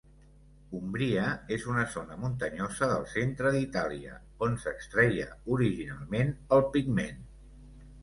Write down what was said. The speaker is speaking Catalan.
Umbria és una zona muntanyosa del centre d'Itàlia on s'extreia originalment el pigment.